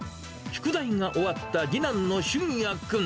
宿題が終わった次男のしゅんや君。